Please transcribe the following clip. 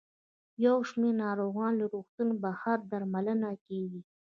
یو شمېر ناروغان له روغتون بهر درملنه کیږي.